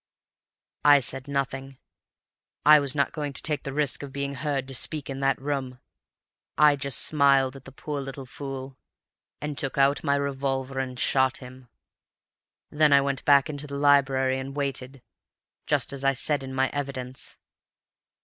"I said nothing. I was not going to take the risk of being heard to speak in that room. I just smiled at the poor little fool, and took out my revolver, and shot him. Then I went back into the library and waited—just as I said in my evidence.